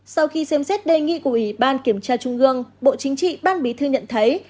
sau khi xem xét đề nghị của ủy ban kiểm tra trung ương bộ chính trị ban bí thư nhận thấy